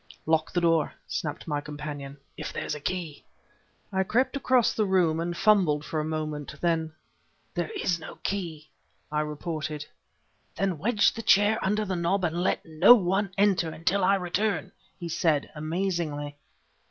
"Lock the door!" snapped my companion "if there's a key." I crept across the room and fumbled for a moment; then: "There is no key," I reported. "Then wedge the chair under the knob and let no one enter until I return!" he said, amazingly.